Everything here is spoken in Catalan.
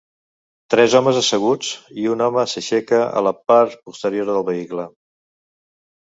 Tres homes asseguts, i un home s'aixeca a la part posterior del vehicle.